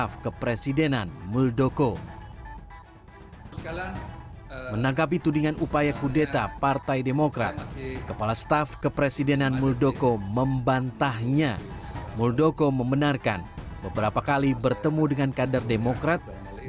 jalan proklamasi jatah pusat